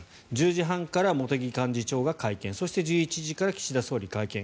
１０時半から茂木幹事長が会見そして、１１時から岸田総理が会見。